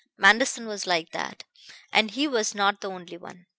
Manderson was like that, and he was not the only one.